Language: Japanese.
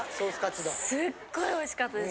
すっごいおいしかったです。